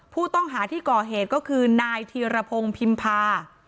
ผู้ต้องหาที่ก่อเหตุก็คือนายธีรพงศ์พิมพา